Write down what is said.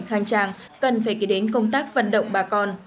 khang trang cần phải kể đến công tác vận động bà con